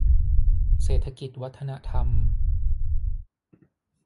เศรษฐกิจวัฒนธรรม